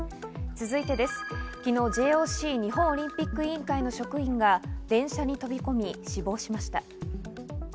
続いて昨日ＪＯＣ＝日本オリンピック委員会の職員が電車に飛び込み死亡しました。